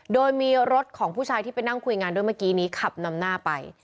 โดยมีรถของผู้ชายที่ไปนั่งคุยงานด้วยเมื่อกี้นี้ขับนำหน้าไป